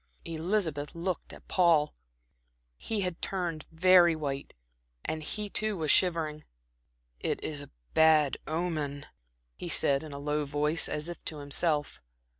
Elizabeth looked at Paul. He had turned very white, and he too was shivering. "It is a bad omen," he said, in a low voice, as if to himself.